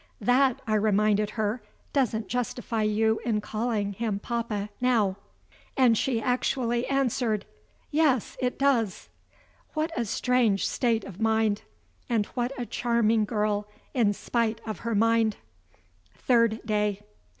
"That," I reminded her, "doesn't justify you in calling him papa now." And she actually answered: "Yes it does." What a strange state of mind! And what a charming girl, in spite of her mind! THIRD DAY.